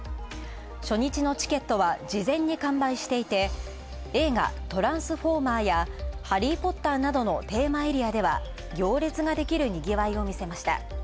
初日のチケットは、事前に完売していて３映画、トランスフォーマーや「ハリー・ポッター」などのテーマエリアでは、行列ができる賑わいを見せました。